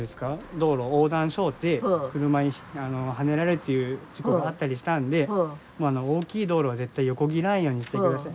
道路横断しょうて車にはねられるという事故があったりしたんで大きい道路は絶対横切らんようにしてください。